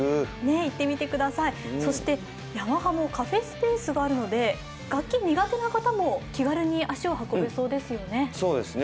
そして、ヤマハもカフェスペースもあるので楽器が苦手な方も気軽に足を運べそうですね。